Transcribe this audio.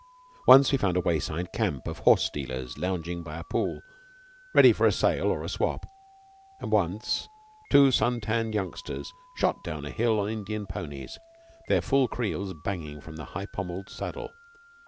Once we found a way side camp of horse dealers lounging by a pool, ready for a sale or a swap, and once two sun tanned youngsters shot down a hill on Indian ponies, their full creels banging from the high pommelled saddle.